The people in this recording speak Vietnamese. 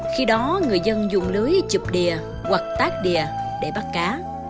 khi đó người dân dùng lưới chụp đìa hoặc tác đìa để bắt cá